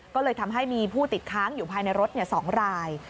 ก็เลยทำให้มีผู้ติดค้างอยู่ภายในรถ๒ราย